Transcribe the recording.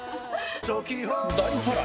大波乱！